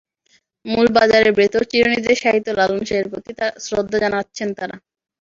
মূল মাজারের ভেতরে চিরনিদ্রায় শায়িত লালন শাহের প্রতি শ্রদ্ধা জানাচ্ছেন তাঁরা।